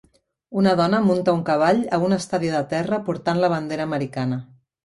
Una dona munta un cavall a un estadi de terra portant la bandera americana